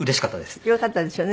よかったですよね。